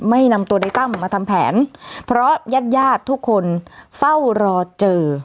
ไม่นำตัวในตั้มมาทำแผนเพราะญาติญาติทุกคนเฝ้ารอเจอ